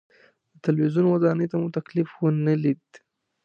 د تلویزیون ودانۍ ته مو تکلیف ونه لید.